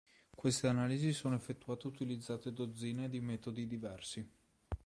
Queste analisi sono effettuate utilizzando dozzine di metodi diversi.